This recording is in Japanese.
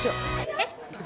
えっ？